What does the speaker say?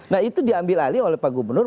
nah itu diambil alih oleh pak gubernur